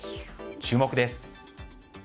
注目です。